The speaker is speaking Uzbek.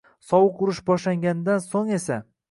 «Sovuq urush» boshlanganidan so‘ng esa